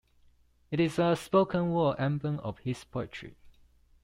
It is a spoken word album of his poetry.